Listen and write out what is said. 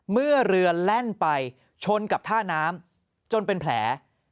เมื่อเรือแล่นไปชนกับท่าน้ำจนเป็นแผล